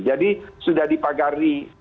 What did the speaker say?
jadi sudah dipagari